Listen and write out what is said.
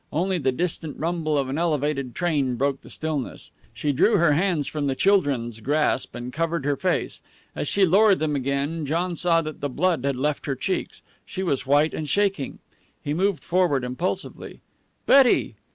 Only the distant rumble of an elevated train broke the stillness. She drew her hands from the children's grasp, and covered her face. As she lowered them again, John saw that the blood had left her cheeks. She was white and shaking. He moved forward impulsively. "Betty!"